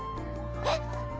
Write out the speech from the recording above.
えっ！